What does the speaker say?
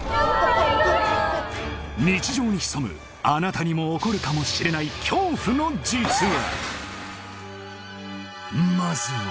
日常に潜むあなたにも起こるかもしれない恐怖の実話！